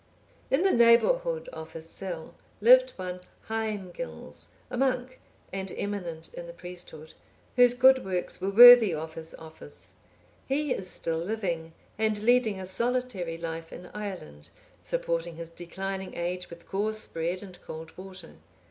In the neighbourhood of his cell lived one Haemgils, a monk, and eminent in the priesthood, whose good works were worthy of his office: he is still living, and leading a solitary life in Ireland, supporting his declining age with coarse bread and cold water.